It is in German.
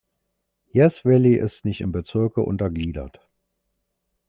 Yass Valley ist nicht in Bezirke untergliedert.